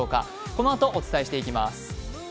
このあとお伝えします。